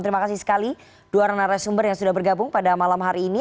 terima kasih sekali dua orang narasumber yang sudah bergabung pada malam hari ini